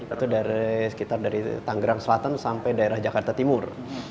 itu dari sekitar tangerang selatan sampai daerah jakarta timur